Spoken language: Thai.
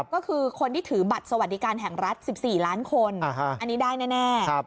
ก็คือคนที่ถือบัตรสวัสดิการแห่งรัฐ๑๔ล้านคนอันนี้ได้แน่